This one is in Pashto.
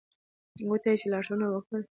، هغوی ته یی لارښونه وکړه ل